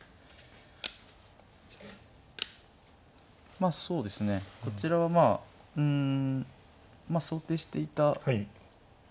まあそうですねこちらはまあうん想定していた一つではあって。